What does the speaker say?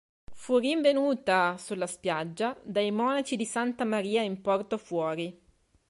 Fu rinvenuta sulla spiaggia dai monaci di Santa Maria in Porto Fuori.